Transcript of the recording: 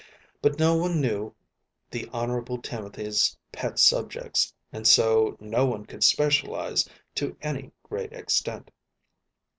But no one knew the Honorable Timothy's pet subjects, and so no one could specialize to any great extent.